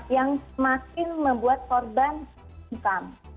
yang makin membuat korban hukum